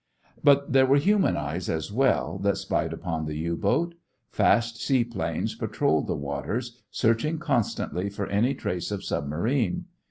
But there were human eyes, as well, that spied upon the U boat. Fast seaplanes patrolled the waters, searching constantly for any trace of submarine.